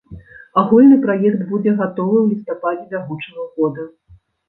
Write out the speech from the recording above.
Агульны праект будзе гатовы ў лістападзе бягучага года.